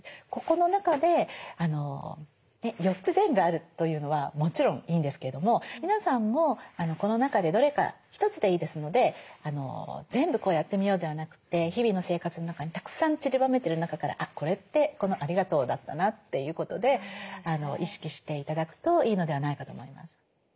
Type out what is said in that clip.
ここの中で４つ全部あるというのはもちろんいいんですけども皆さんもこの中でどれか一つでいいですので全部やってみようではなくて日々の生活の中にたくさんちりばめてる中からこれってこの「ありがとう」だったなということで意識して頂くといいのではないかと思います。